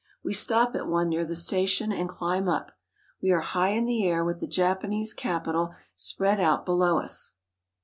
We stop at one near the station and climb up. We are high in the air, with the Japanese capital spread out below us.